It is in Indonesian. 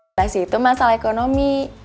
invasi itu masalah ekonomi